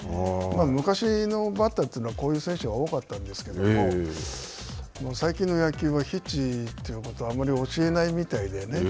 昔のバッターというのはこういう選手が多かったんですけれども、最近の野球は、ヒッチというようなことはあまり教えないみたいでね。